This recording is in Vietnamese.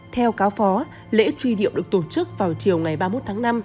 theo cáo phó lễ truy điệu được tổ chức vào chiều ngày ba mươi một tháng năm